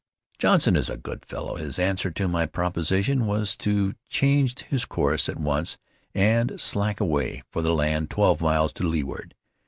"Johnson is a good fellow; his answer to my proposition was to change his course at once and slack away for the land twelve miles to leeward.